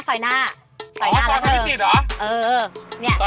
ซอยหน้าแล้วเพิ่มอ๋อซอยไทยวิจิตรเหรอเออ